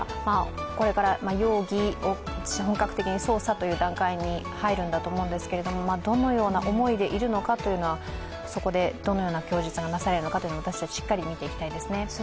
これから容疑を本格的に捜査という段階に入るんだと思うんですけれどもどのような思いでいるのかというのはそこでどのような供述をなされるか私たち、しっかり見ていきたいですね。